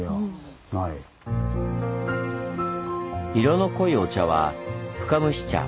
色の濃いお茶は「深蒸し茶」。